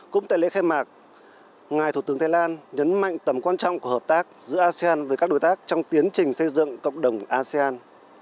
cũng tại lễ khai mạc ngài thủ tướng thái lan nhấn mạnh tầm quan trọng của hợp tác giữa asean với các đối tác trong tiến trình xây dựng cộng đồng asean